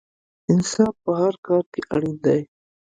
انصاف په هر کار کې اړین دی.